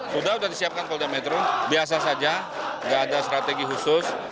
sudah sudah disiapkan koldiametron biasa saja tidak ada strategi khusus